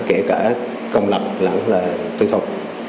kể cả công lập lãng tư thông